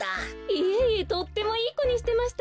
いえいえとってもいいこにしてましたよ。